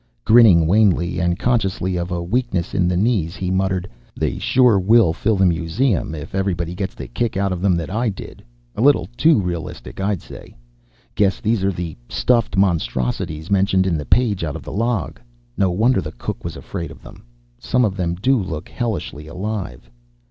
Grinning wanly, and conscious of a weakness in the knees, he muttered: "They sure will fill the museum, if everybody gets the kick out of them that I did. A little too realistic, I'd say. Guess these are the 'stuffed monstrosities' mentioned in the page out of the log. No wonder the cook was afraid of them. Some of then do look hellishly alive!"